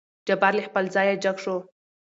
جبار له خپل ځايه جګ شو.